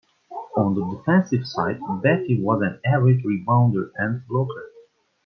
On the defensive side, Battie was an average rebounder and blocker.